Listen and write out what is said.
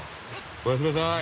おやすみなさい。